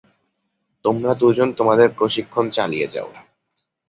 তোমরা দুজন তোমাদের প্রশিক্ষণ চালিয়ে যাও।